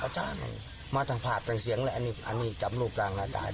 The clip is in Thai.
โอ้โหหมำเลี่ยงตั้ง๓ครั้ง